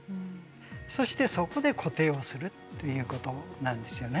そしてそこで固定をするっていうことなんですよね。